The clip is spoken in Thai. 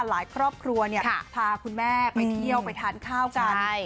ครอบครัวพาคุณแม่ไปเที่ยวไปทานข้าวกัน